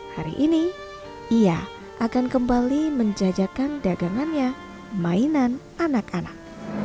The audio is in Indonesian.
hari ini ia akan kembali menjajakan dagangannya mainan anak anak